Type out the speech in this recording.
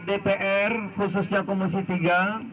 dpr khususnya komisi tiga